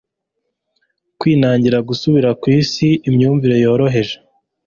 kwinangira gusubira kwisi, imyumvire yoroheje